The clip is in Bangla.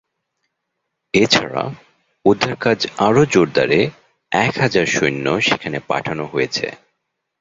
এছাড়া উদ্ধারকাজ আরো জোরদারে এক হাজার সৈন্য সেখানে পাঠানো হয়েছে।